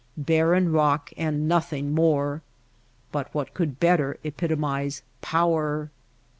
Barren rock and nothing more ; but what could better epitomize power